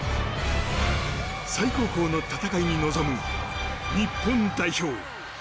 最高峰の戦いに臨む、日本代表。